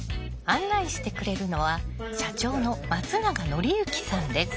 案内してくれるのは社長の松永紀之さんです。